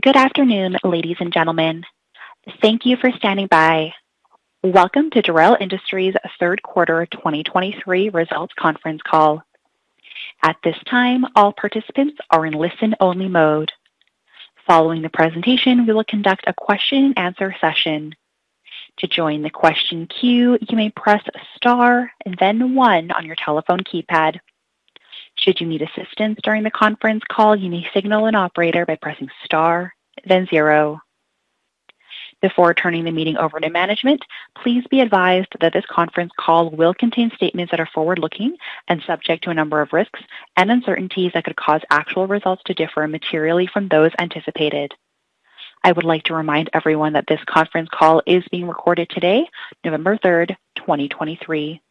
Good afternoon, ladies and gentlemen. Thank you for standing by. Welcome to Dorel Industries' Q3 2023 results conference call. At this time, all participants are in listen-only mode. Following the presentation, we will conduct a question-and-answer session. To join the question queue, you may press star and then one on your telephone keypad. Should you need assistance during the conference call, you may signal an operator by pressing star, then zero. Before turning the meeting over to management, please be advised that this conference call will contain statements that are forward-looking and subject to a number of risks and uncertainties that could cause actual results to differ materially from those anticipated. I would like to remind everyone that this conference call is being recorded today, November 3, 2023.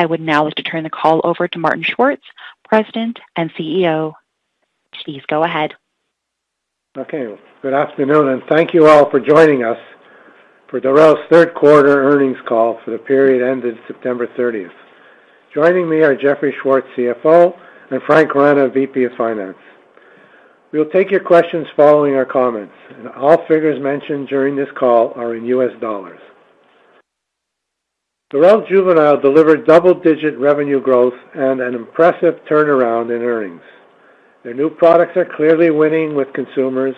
I would now like to turn the call over to Martin Schwartz, President and CEO. Please go ahead. Okay. Good afternoon, and thank you all for joining us for Dorel's Q3 earnings call for the period ended September 30th. Joining me are Jeffrey Schwartz, CFO, and Frank Rana, VP of Finance. We'll take your questions following our comments, and all figures mentioned during this call are in U.S. dollars. Dorel Juvenile delivered double-digit revenue growth and an impressive turnaround in earnings. Their new products are clearly winning with consumers,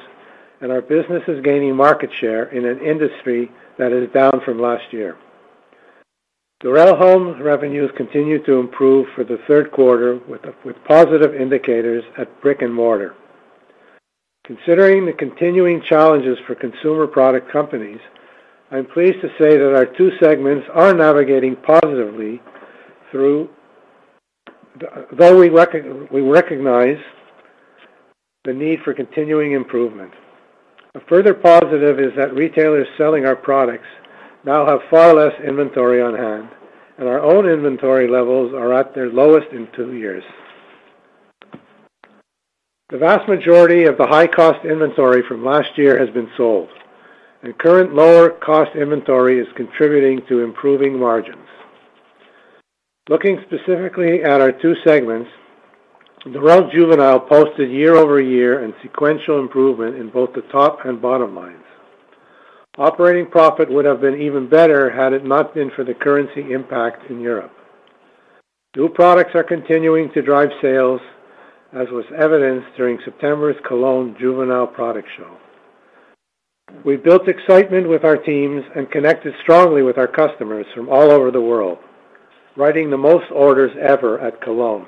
and our business is gaining market share in an industry that is down from last year. Dorel Home revenues continued to improve for the Q3 with positive indicators at brick-and-mortar. Considering the continuing challenges for consumer product companies, I'm pleased to say that our two segments are navigating positively through. Though we recognize the need for continuing improvement. A further positive is that retailers selling our products now have far less inventory on hand, and our own inventory levels are at their lowest in two years. The vast majority of the high-cost inventory from last year has been sold, and current lower-cost inventory is contributing to improving margins. Looking specifically at our two segments, Dorel Juvenile posted year-over-year and sequential improvement in both the top and bottom lines. Operating profit would have been even better had it not been for the currency impact in Europe. New products are continuing to drive sales, as was evidenced during September's Cologne Juvenile Product Show. We built excitement with our teams and connected strongly with our customers from all over the world, writing the most orders ever at Cologne.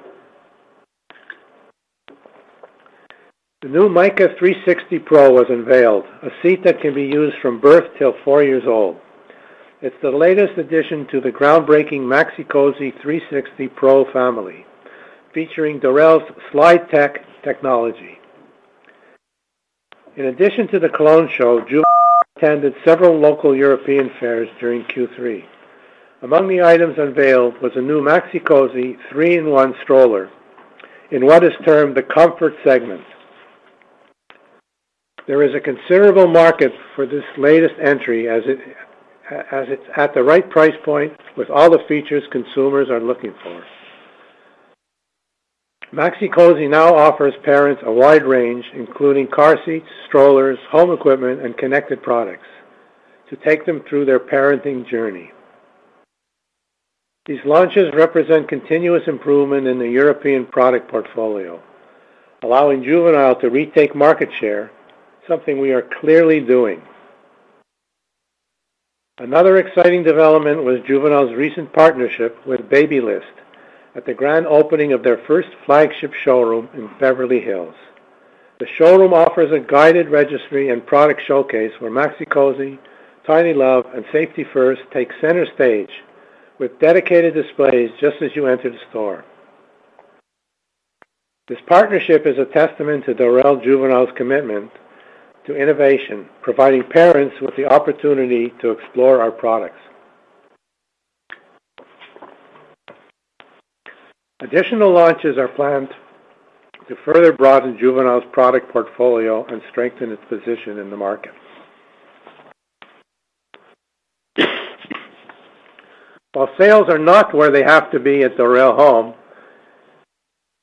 The new Mica 360 Pro was unveiled, a seat that can be used from birth till four years old. It's the latest addition to the groundbreaking Maxi-Cosi 360 Pro family, featuring Dorel's SlideTech technology. In addition to the Cologne Show, attended several local European fairs during Q3. Among the items unveiled was a new Maxi-Cosi 3-in-1 stroller in what is termed the comfort segment. There is a considerable market for this latest entry as it's at the right price point with all the features consumers are looking for. Maxi-Cosi now offers parents a wide range, including car seats, strollers, home equipment, and connected products, to take them through their parenting journey. These launches represent continuous improvement in the European product portfolio, allowing Juvenile to retake market share, something we are clearly doing. Another exciting development was Juvenile's recent partnership with Babylist at the grand opening of their first flagship showroom in Beverly Hills. The showroom offers a guided registry and product showcase where Maxi-Cosi, Tiny Love, and Safety 1st take center stage, with dedicated displays just as you enter the store. This partnership is a testament to Dorel Juvenile's commitment to innovation, providing parents with the opportunity to explore our products. Additional launches are planned to further broaden Juvenile's product portfolio and strengthen its position in the market. While sales are not where they have to be at Dorel Home,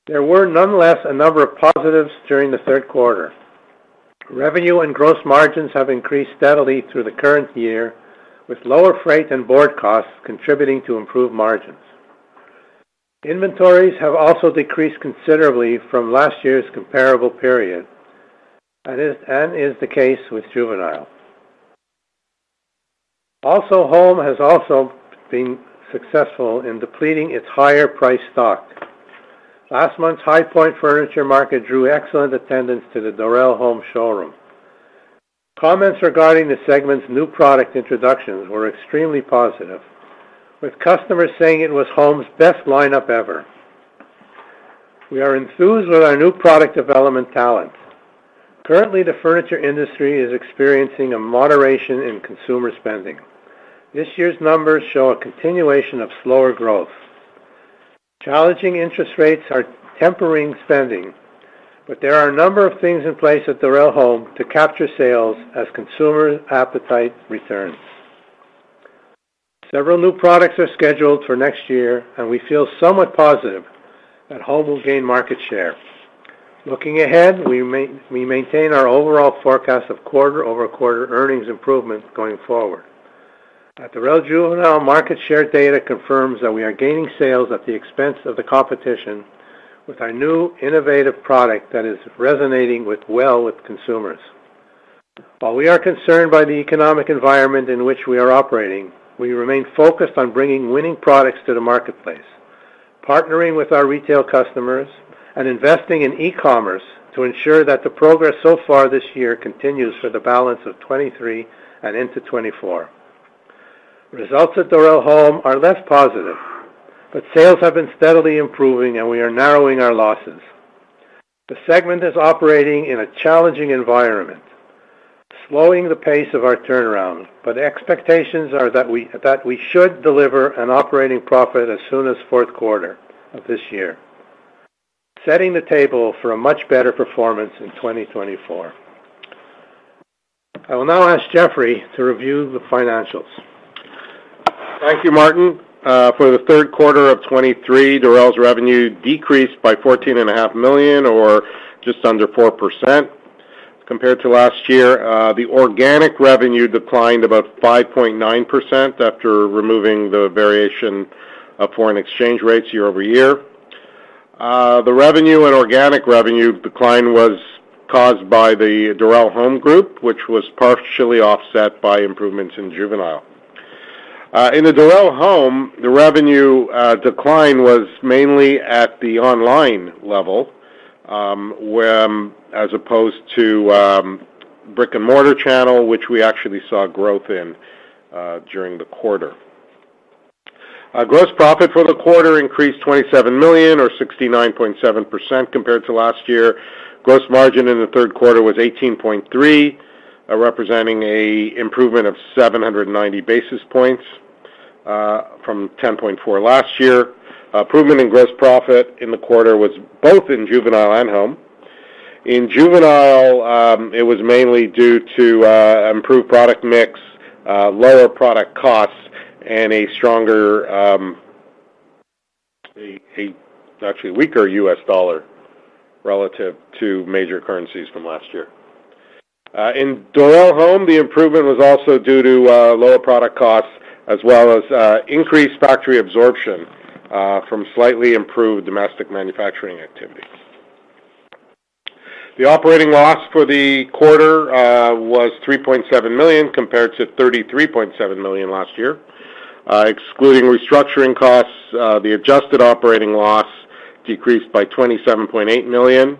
there were nonetheless a number of positives during the Q3. Revenue and gross margins have increased steadily through the current year, with lower freight and board costs contributing to improved margins. Inventories have also decreased considerably from last year's comparable period, is the case with Juvenile. Home has also been successful in depleting its higher-priced stock. Last month's High Point Furniture Market drew excellent attendance to the Dorel Home showroom. Comments regarding the segment's new product introductions were extremely positive, with customers saying it was Home's best lineup ever. We are enthused with our new product development talent. Currently, the furniture industry is experiencing a moderation in consumer spending. This year's numbers show a continuation of slower growth. Challenging interest rates are tempering spending, but there are a number of things in place at Dorel Home to capture sales as consumer appetite returns. Several new products are scheduled for next year, and we feel somewhat positive that Home will gain market share. Looking ahead, we maintain our overall forecast of quarter-over-quarter earnings improvement going forward. At Dorel Juvenile, market share data confirms that we are gaining sales at the expense of the competition, with our new innovative product that is resonating well with consumers. While we are concerned by the economic environment in which we are operating, we remain focused on bringing winning products to the marketplace, partnering with our retail customers, and investing in e-commerce to ensure that the progress so far this year continues for the balance of 2023 and into 2024. Results at Dorel Home are less positive, but sales have been steadily improving, and we are narrowing our losses. The segment is operating in a challenging environment, slowing the pace of our turnaround, but expectations are that we should deliver an operating profit as soon as Q4 of this year, setting the table for a much better performance in 2024. I will now ask Jeffrey to review the financials. Thank you, Martin. For the Q3 of 2023, Dorel's revenue decreased by $14.5 million, or just under 4% compared to last year. The organic revenue declined about 5.9% after removing the variation of foreign exchange rates year over year. The revenue and organic revenue decline was caused by the Dorel Home Group, which was partially offset by improvements in Juvenile. In the Dorel Home, the revenue decline was mainly at the online level, as opposed to brick-and-mortar channel, which we actually saw growth in during the quarter. Gross profit for the quarter increased $27 million or 69.7% compared to last year. Gross margin in the Q3 was 18.3%, representing an improvement of 790 basis points from 10.4% last year. Improvement in gross profit in the quarter was both in Juvenile and Home. In Juvenile, it was mainly due to improved product mix, lower product costs, and a stronger, actually weaker US dollar relative to major currencies from last year. In Dorel Home, the improvement was also due to lower product costs, as well as increased factory absorption from slightly improved domestic manufacturing activities. The operating loss for the quarter was $3.7 million, compared to $33.7 million last year. Excluding restructuring costs, the adjusted operating loss decreased by $27.8 million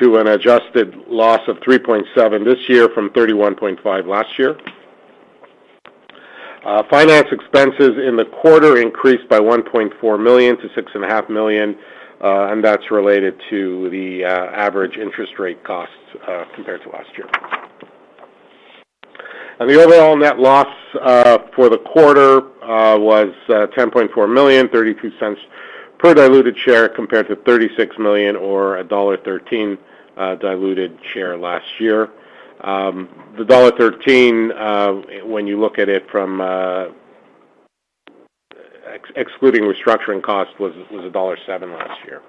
to an adjusted loss of $3.7 million this year from $31.5 million last year. Finance expenses in the quarter increased by $1.4 million to $6.5 million, and that's related to the average interest rate costs compared to last year. The overall net loss for the quarter was $10.4 million, $.032 per diluted share, compared to $36 million or $1.13 diluted share last year. The $1.13, when you look at it from excluding restructuring costs, was $1.07 last year.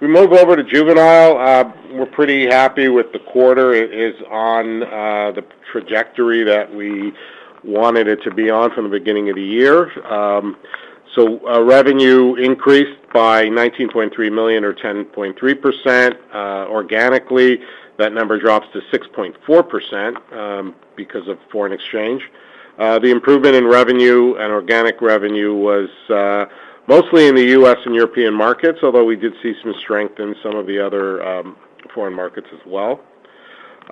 We move over to Juvenile. We're pretty happy with the quarter. It is on the trajectory that we wanted it to be on from the beginning of the year. So, revenue increased by $19.3 million or 10.3%. Organically, that number drops to 6.4%, because of foreign exchange. The improvement in revenue and organic revenue was mostly in the U.S. and European markets, although we did see some strength in some of the other foreign markets as well.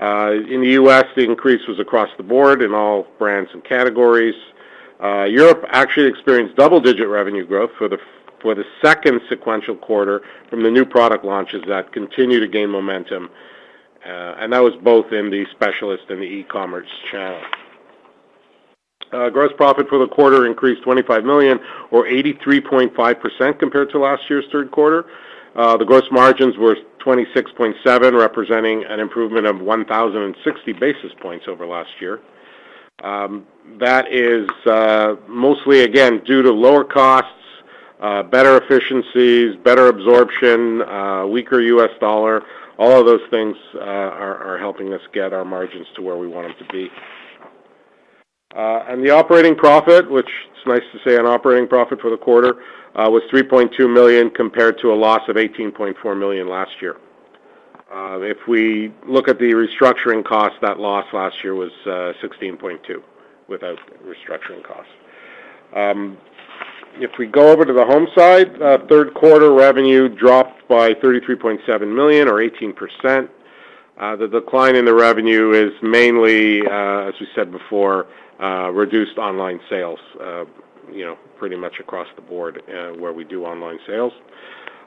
In the U.S., the increase was across the board in all brands and categories. Europe actually experienced double-digit revenue growth for the second sequential quarter from the new product launches that continue to gain momentum, and that was both in the specialist and the E-commerce channel. Gross profit for the quarter increased $25 million or 83.5% compared to last year's Q3. The gross margins were 26.7%, representing an improvement of 1,060 basis points over last year. That is, mostly, again, due to lower costs, better efficiencies, better absorption, weaker U.S. dollar. All of those things are helping us get our margins to where we want them to be. And the operating profit, which it's nice to say an operating profit for the quarter, was $3.2 million, compared to a loss of $18.4 million last year. If we look at the restructuring cost, that loss last year was $16.2 million without restructuring costs. If we go over to the Home side, Q3 revenue dropped by $33.7 million or 18%. The decline in the revenue is mainly, as we said before, reduced online sales, you know, pretty much across the board, where we do online sales.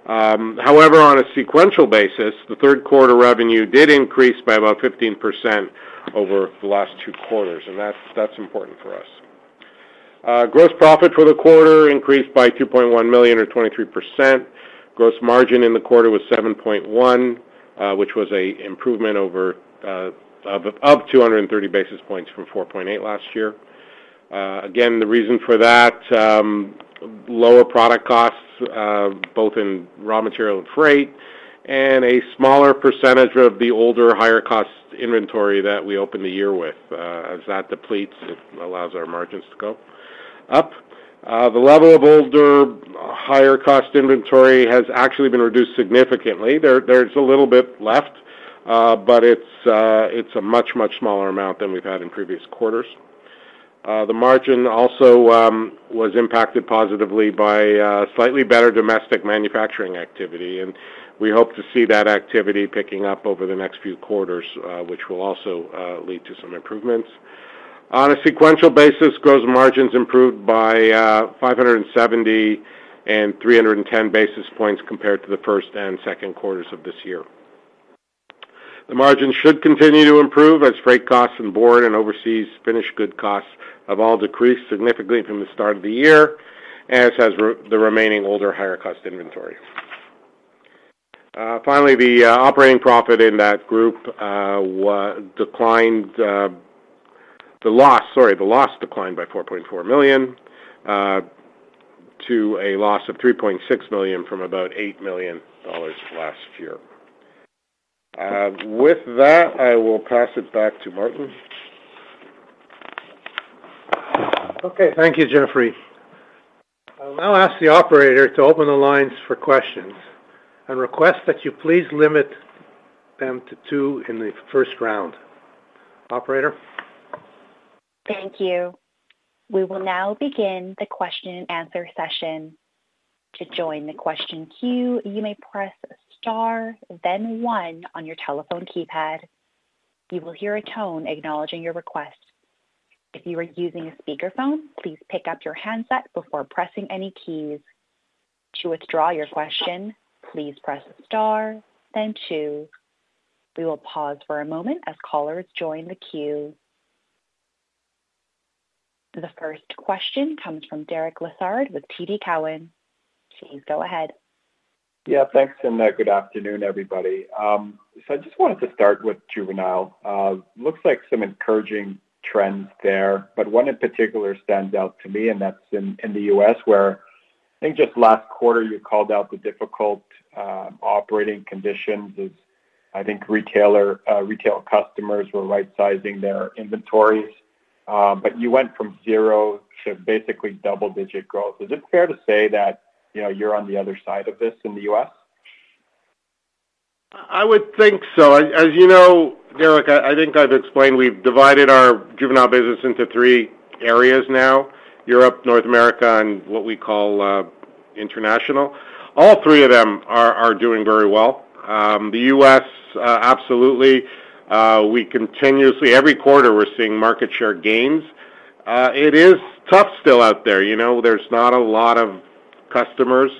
However, on a sequential basis, the Q3 revenue did increase by about 15% over the last two quarters, and that's important for us. Gross profit for the quarter increased by $2.1 million or 23%. Gross margin in the quarter was 7.1%, which was an improvement over, up 230 basis points from 4.8% last year. Again, the reason for that, lower product costs, both in raw material and freight, and a smaller percentage of the older, higher cost inventory that we opened the year with. As that depletes, it allows our margins to go up. The level of older, higher cost inventory has actually been reduced significantly. There's a little bit left, but it's a much, much smaller amount than we've had in previous quarters. The margin also was impacted positively by slightly better domestic manufacturing activity, and we hope to see that activity picking up over the next few quarters, which will also lead to some improvements. On a sequential basis, gross margins improved by 570 and 310 basis points compared to the first and Q2 of this year. The margin should continue to improve as freight costs and board and overseas finished good costs have all decreased significantly from the start of the year, as has the remaining older, higher cost inventory. Finally, the operating profit in that group declined. The loss, sorry, the loss declined by $4.4 million to a loss of $3.6 million from about $8 million last year. With that, I will pass it back to Martin. Okay, thank you, Jeffrey. I'll now ask the operator to open the lines for questions and request that you please limit them to two in the first round. Operator? Thank you. We will now begin the question and answer session. To join the question queue, you may press star, then one on your telephone keypad. You will hear a tone acknowledging your request. If you are using a speakerphone, please pick up your handset before pressing any keys. To withdraw your question, please press star, then two. We will pause for a moment as callers join the queue. The first question comes from Derek Lessard with TD Cowen. Please go ahead. Yeah, thanks, and good afternoon, everybody. So I just wanted to start with Juvenile. Looks like some encouraging trends there, but one in particular stands out to me, and that's in the U.S., where I think just last quarter, you called out the difficult operating conditions as I think retail customers were rightsizing their inventories. But you went from zero to basically double-digit growth. Is it fair to say that, you know, you're on the other side of this in the U.S.? I would think so. As you know, Derek, I think I've explained, we've divided our Juvenile business into three areas now: Europe, North America, and what we call, international. All three of them are doing very well. The U.S., absolutely, we continuously, every quarter, we're seeing market share gains. It is tough still out there. You know, there's not a lot of customers,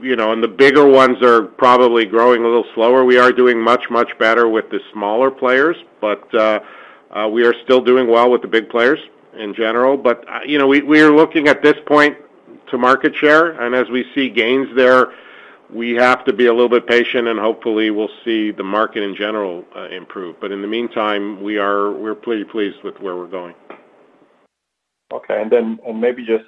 you know, and the bigger ones are probably growing a little slower. We are doing much, much better with the smaller players, but, we are still doing well with the big players in general. But, you know, we are looking at this point to market share, and as we see gains there, we have to be a little bit patient, and hopefully, we'll see the market in general, improve. But in the meantime, we're pretty pleased with where we're going. Okay. And then, maybe just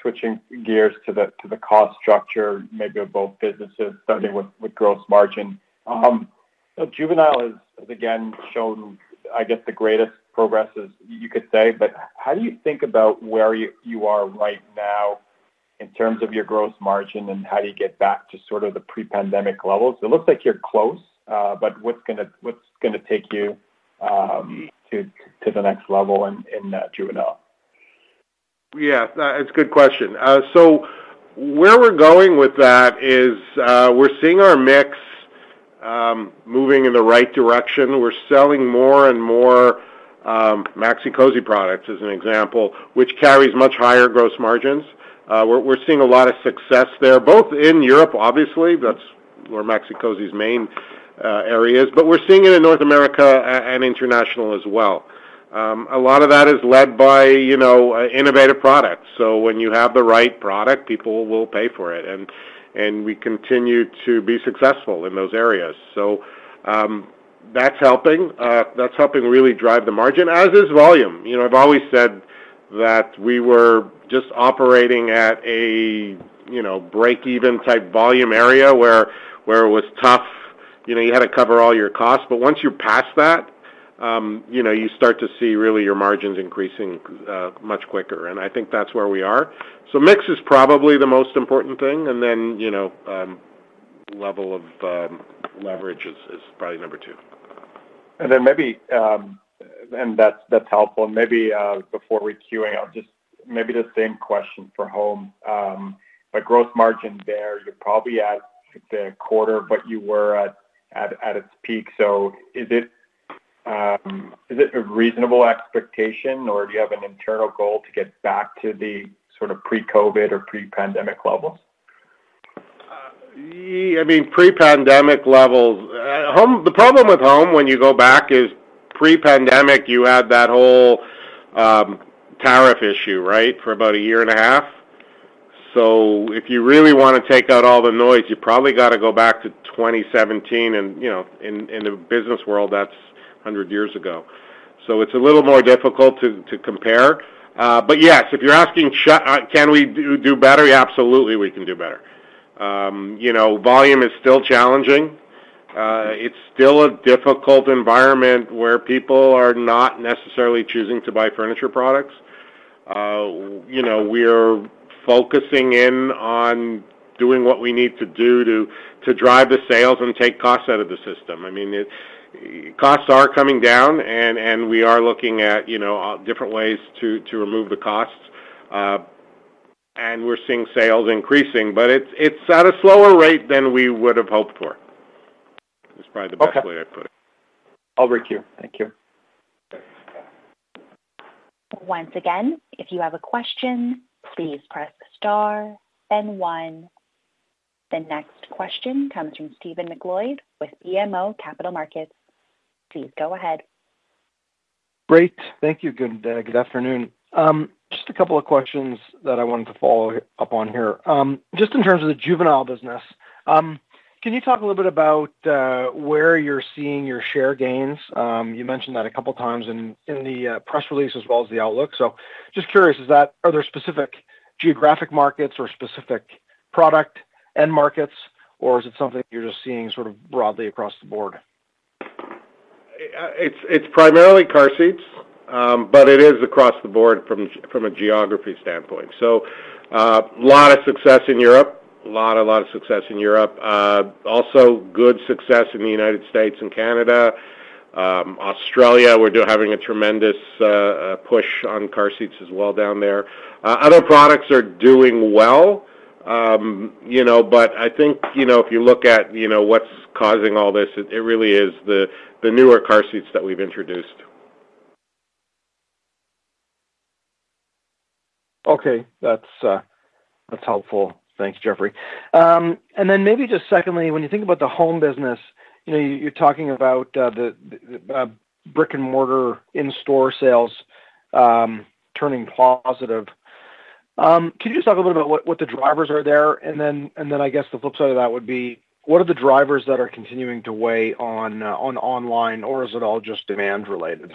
switching gears to the cost structure, maybe of both businesses, starting with gross margin. Juvenile has again shown, I guess, the greatest progresses, you could say, but how do you think about where you are right now in terms of your gross margin, and how do you get back to sort of the pre-pandemic levels? It looks like you're close, but what's gonna take you to the next level in Juvenile? Yeah, it's a good question. So where we're going with that is, we're seeing our mix moving in the right direction. We're selling more and more, Maxi-Cosi products, as an example, which carries much higher gross margins. We're seeing a lot of success there, both in Europe, obviously, that's where Maxi-Cosi's main area is, but we're seeing it in North America and international as well. A lot of that is led by, you know, innovative products. So when you have the right product, people will pay for it, and we continue to be successful in those areas. So, that's helping. That's helping really drive the margin, as is volume. You know, I've always said that we were just operating at a, you know, break-even type volume area, where it was tough, you know, you had to cover all your costs, but once you're past that, you know, you start to see really your margins increasing much quicker. I think that's where we are. Mix is probably the most important thing, and then, you know, level of leverage is probably number two. And then maybe. And that's, that's helpful. And maybe, before we queuing up, just maybe the same question for Home. But gross margin there, you're probably at the quarter, but you were at, at, at its peak. So is it a reasonable expectation, or do you have an internal goal to get back to the sort of pre-COVID or pre-pandemic levels? Yeah, I mean, pre-pandemic levels. The problem with home when you go back is pre-pandemic, you had that whole tariff issue, right? For about a year and a half. So if you really want to take out all the noise, you probably got to go back to 2017, and, you know, in the business world, that's a hundred years ago. So it's a little more difficult to compare. But yes, if you're asking, can we do better? Absolutely, we can do better. You know, volume is still challenging. It's still a difficult environment where people are not necessarily choosing to buy furniture products. You know, we're focusing on doing what we need to do to drive the sales and take costs out of the system. I mean, costs are coming down, and we are looking at, you know, different ways to remove the costs, and we're seeing sales increasing, but it's at a slower rate than we would have hoped for. It's probably the best way to put it. Okay. I'll break you. Thank you. Once again, if you have a question, please press star then one. The next question comes from Stephen MacLeod with BMO Capital Markets. Please go ahead. Great. Thank you. Good afternoon. Just a couple of questions that I wanted to follow up on here. Just in terms of the juvenile business, can you talk a little bit about where you're seeing your share gains? You mentioned that a couple of times in the press release as well as the outlook. So just curious, are there specific geographic markets or specific product end markets, or is it something you're just seeing sort of broadly across the board? It's primarily car seats, but it is across the board from a geography standpoint. So, a lot of success in Europe. A lot of success in Europe. Also good success in the United States and Canada. Australia, we're having a tremendous push on car seats as well down there. Other products are doing well, you know, but I think, you know, if you look at, you know, what's causing all this, it really is the newer car seats that we've introduced. Okay. That's, that's helpful. Thanks, Jeffrey. And then maybe just secondly, when you think about the home business, you know, you're talking about the brick-and-mortar in-store sales turning positive. Can you just talk a little bit about what the drivers are there? And then I guess the flip side of that would be, what are the drivers that are continuing to weigh on online, or is it all just demand-related?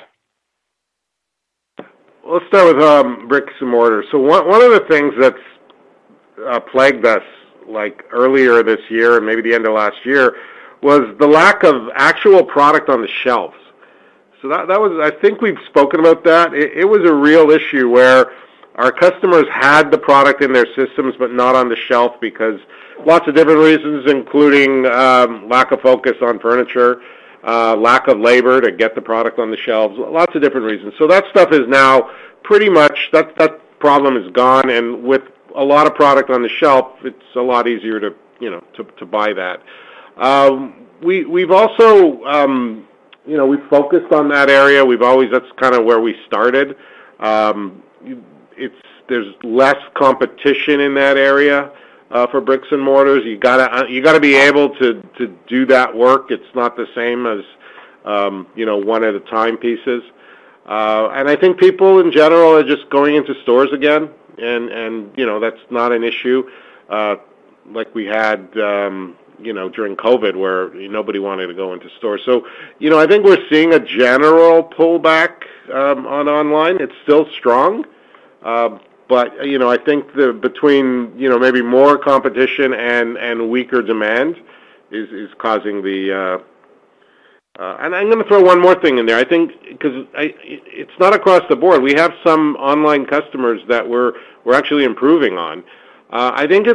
Let's start with brick-and-mortar. So one of the things that's plagued us, like earlier this year and maybe the end of last year, was the lack of actual product on the shelves. So that was. I think we've spoken about that. It was a real issue where our customers had the product in their systems, but not on the shelf, because lots of different reasons, including lack of focus on furniture, lack of labor to get the product on the shelves, lots of different reasons. So that stuff is now pretty much that problem is gone, and with a lot of product on the shelf, it's a lot easier to, you know, to buy that. We've also, you know, we've focused on that area. We've always, that's kind of where we started. There's less competition in that area for brick-and-mortar. You gotta be able to do that work. It's not the same as, you know, one-at-a-time pieces. I think people in general are just going into stores again, and you know, that's not an issue like we had, you know, during COVID, where nobody wanted to go into stores. So, you know, I think we're seeing a general pullback on online. It's still strong, but you know, I think it's between maybe more competition and weaker demand is causing the... And I'm gonna throw one more thing in there. I think because it's not across the board. We have some online customers that we're actually improving on. I think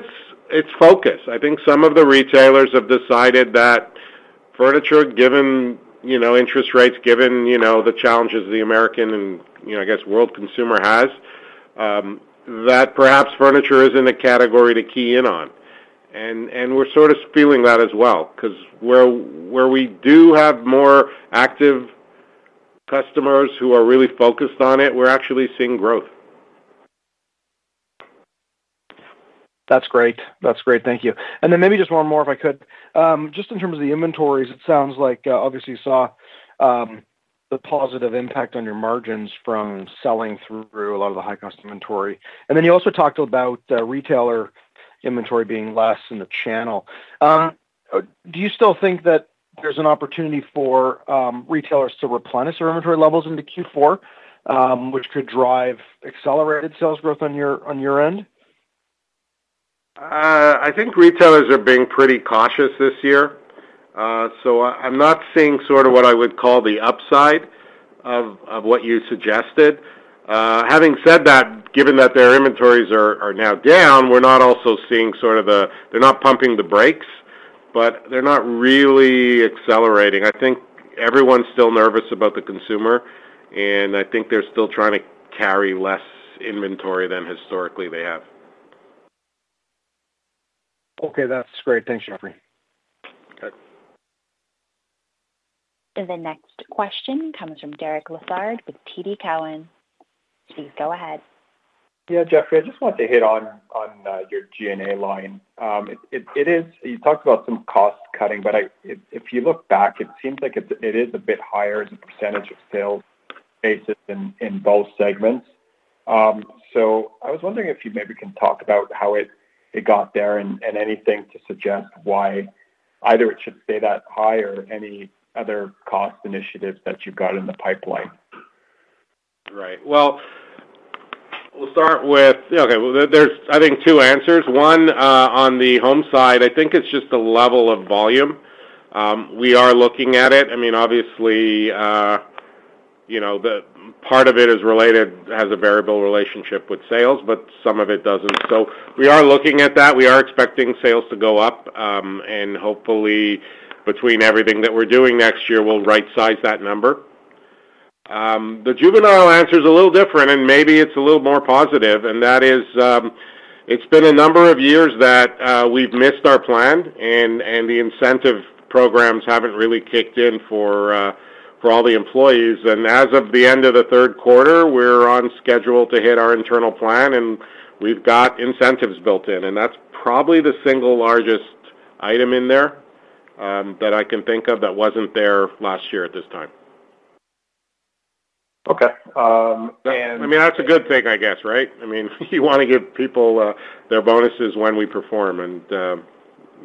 it's focus. I think some of the retailers have decided that furniture, given, you know, interest rates, given, you know, the challenges the American and, you know, I guess, world consumer has, that perhaps furniture isn't a category to key in on. And we're sort of feeling that as well, 'cause where we do have more active customers who are really focused on it, we're actually seeing growth. That's great. That's great. Thank you. And then maybe just one more, if I could. Just in terms of the inventories, it sounds like, obviously, you saw, the positive impact on your margins from selling through a lot of the high-cost inventory. And then you also talked about, retailer inventory being less in the channel. Do you still think that there's an opportunity for, retailers to replenish their inventory levels into Q4, which could drive accelerated sales growth on your, on your end? I think retailers are being pretty cautious this year. So I'm not seeing sort of what I would call the upside of what you suggested. Having said that, given that their inventories are now down, we're not also seeing sort of they're not pumping the brakes, but they're not really accelerating. I think everyone's still nervous about the consumer, and I think they're still trying to carry less inventory than historically they have. Okay, that's great. Thanks, Jeffrey. The next question comes from Derek Lessard with TD Cowen. Please go ahead. Yeah, Jeffrey, I just wanted to hit on your G&A line. It is. You talked about some cost cutting, but if you look back, it seems like it is a bit higher as a percentage of sales basis in both segments. So I was wondering if you maybe can talk about how it got there and anything to suggest why either it should stay that high or any other cost initiatives that you've got in the pipeline? Right. Well, there's, I think, two answers. One, on the home side, I think it's just the level of volume. We are looking at it. I mean, obviously, you know, the part of it is related, has a variable relationship with sales, but some of it doesn't. So we are looking at that. We are expecting sales to go up, and hopefully between everything that we're doing next year, we'll rightsize that number. The juvenile answer is a little different, and maybe it's a little more positive, and that is, it's been a number of years that we've missed our plan, and the incentive programs haven't really kicked in for all the employees. As of the end of the Q3, we're on schedule to hit our internal plan, and we've got incentives built in, and that's probably the single largest item in there, that I can think of that wasn't there last year at this time. Okay. I mean, that's a good thing, I guess, right? I mean, you want to give people their bonuses when we perform, and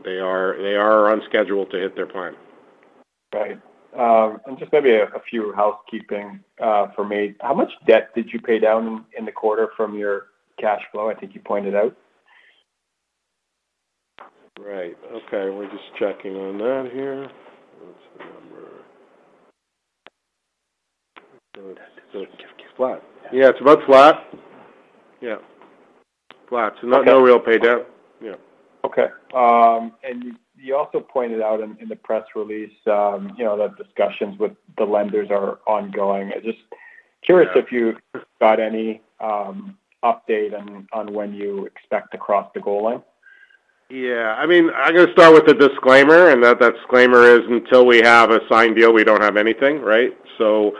they are on schedule to hit their plan. Right. And just maybe a few housekeeping for me. How much debt did you pay down in the quarter from your cash flow? I think you pointed out. Right. Okay, we're just checking on that here. What's the number? Flat. Yeah, it's about flat. Yeah, flat. Okay. No real pay down. Yeah. Okay. You also pointed out in the press release, you know, that discussions with the lenders are ongoing. I'm just- Yeah. -curious if you've got any update on when you expect to cross the goal line? Yeah. I mean, I'm gonna start with a disclaimer, and that disclaimer is, until we have a signed deal, we don't have anything, right? So,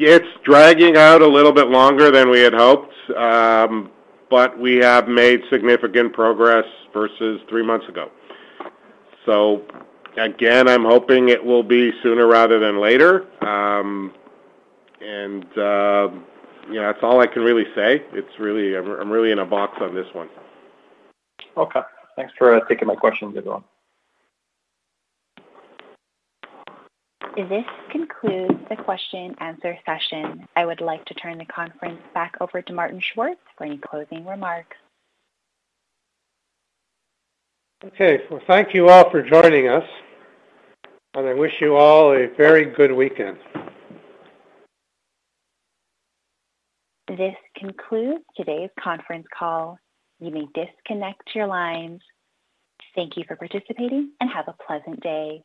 it's dragging out a little bit longer than we had hoped, but we have made significant progress versus three months ago. So again, I'm hoping it will be sooner rather than later. And, you know, that's all I can really say. It's really... I'm really in a box on this one. Okay. Thanks for taking my questions as well. This concludes the question and answer session. I would like to turn the conference back over to Martin Schwartz for any closing remarks. Okay. Well, thank you all for joining us, and I wish you all a very good weekend. This concludes today's conference call. You may disconnect your lines. Thank you for participating, and have a pleasant day.